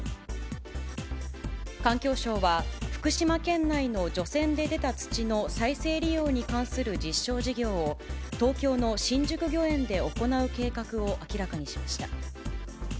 環境省は、福島県内の除染で出た土の再生利用に関する実証事業を、東京の新宿御苑で行う計画を明らかにしました。